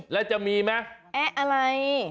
แล้วจะมีมั้ยแอะอะไร